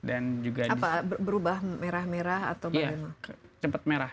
apa berubah merah merah atau bagaimana